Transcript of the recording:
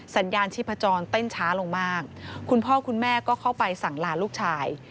สัญญาณชีพจรเต้นช้าลงมากคุณพ่อคุณแม่ก็เข้าไปสั่งลาลูกชาย